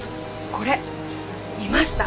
これ見ました？